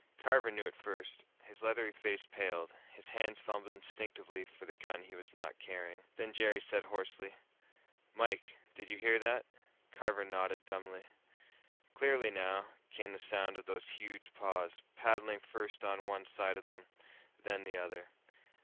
Carver knew it first. His leathery face paled; his hands fumbled instinctively for the gun he was not carrying. Then Jerry said hoarsely, "Mike, did you hear that?" Carver nodded dumbly. Clearly, now, came the sound of those huge paws, padding first on one side of them, then the other.